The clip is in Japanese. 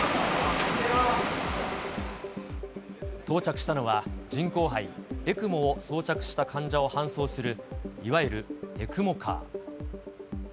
到着したのは、人工肺・ＥＣＭＯを装着した患者を搬送する、いわゆるＥＣＭＯカー。